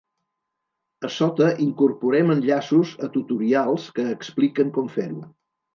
A sota incorporem enllaços a tutorials que expliquen com fer-ho.